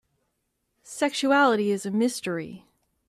Sexuality is a mystery.